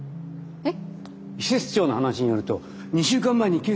えっ！